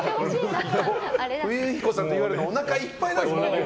冬彦さんって言われておなかいっぱいなんです。